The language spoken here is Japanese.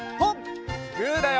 グーだよ！